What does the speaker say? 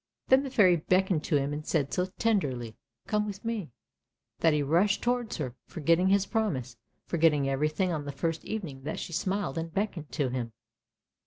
" Then the Fairy beckoned to him and said so tenderly, " Come with me," that he rushed towards her, forgetting his promise, forgetting everything on the very first evening that she smiled and beckoned to him.